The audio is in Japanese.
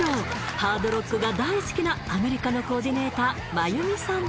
ハードロックが大好きなアメリカのコーディネーターマユミさん